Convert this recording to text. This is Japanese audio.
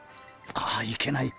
ああいけない。